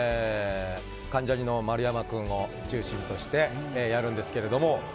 関ジャニの丸山君中心としてやるんですけど。